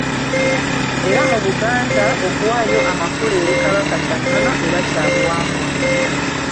Era mu Buganda okuwaayo amakula eri Kabaka kya nnono era kya buwangwa.